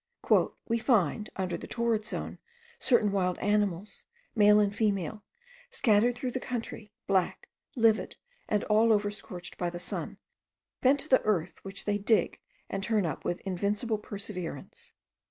"We find (under the torrid zone) certain wild animals, male and female, scattered through the country, black, livid, and all over scorched by the sun, bent to the earth which they dig and turn up with invincible perseverance.